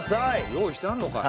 用意してあんのかよ。